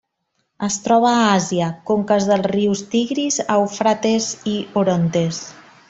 Es troba a Àsia: conques dels rius Tigris, Eufrates i Orontes.